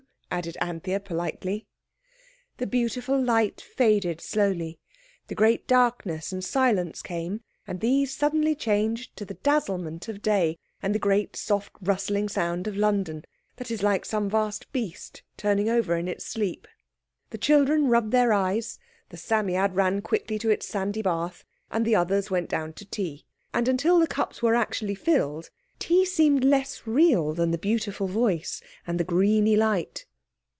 added Anthea politely. The beautiful light faded slowly. The great darkness and silence came and these suddenly changed to the dazzlement of day and the great soft, rustling sound of London, that is like some vast beast turning over in its sleep. The children rubbed their eyes, the Psammead ran quickly to its sandy bath, and the others went down to tea. And until the cups were actually filled tea seemed less real than the beautiful voice and the greeny light.